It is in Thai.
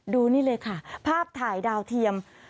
ดูนี่เลยค่ะภาพถ่ายดาวเทียม